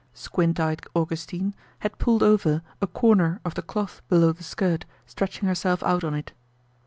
Squint eyed Augustine had pulled over a corner of the cloth below the skirt, stretching herself out on it.